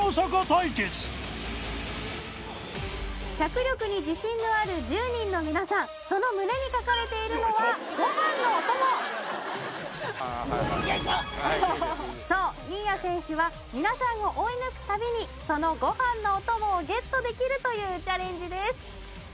脚力に自信のある１０人の皆さんその胸に書かれているのはご飯のお供よいしょそう新谷選手は皆さんを追い抜くたびにそのご飯のお供をゲットできるというチャレンジです